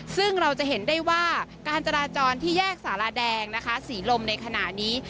ซึ่งเราจะเห็นได้ว่าการจราจรที่แยกสาราแดงนะคะศรีลมในขณะนี้